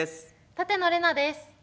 舘野伶奈です。